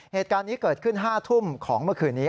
เหตุการณ์นี้เกิดขึ้น๕ทุ่มของเมื่อคืนนี้